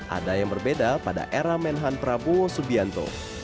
ada yang berbeda pada era menhan prabowo subianto